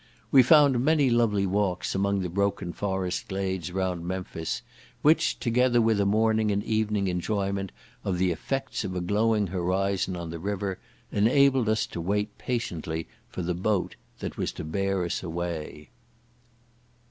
We found many lovely walks among the broken forest glades around Memphis, which, together with a morning and evening enjoyment of the effects of a glowing horizon on the river, enabled us to wait patiently for the boat that was to bear us away.